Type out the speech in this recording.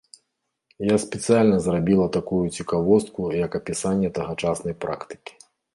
Я спецыяльна зрабіла такую цікавостку як апісанне тагачаснай практыкі.